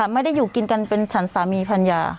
ไม่ได้อยู่กินกันเป็นฉันสามีภรรยา